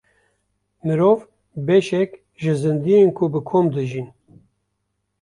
Mirov beşek ji zindiyên ku bi kom dijîn.